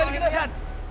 sama ina juga